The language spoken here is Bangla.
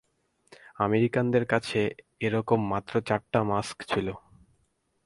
আমেরিকানদের কাছে এরকম মাত্র চারটা মাস্ক ছিল।